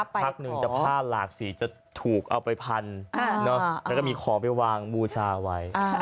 พักหนึ่งจะผ้าหลากสีจะถูกเอาไปพันแล้วก็มีของไปวางบูชาไว้